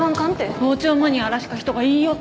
傍聴マニアらしか人が言いよった。